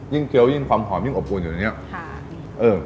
เกี้ยวยิ่งความหอมยิ่งอบอุ่นอยู่ในนี้